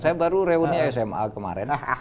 saya baru reuni sma kemarin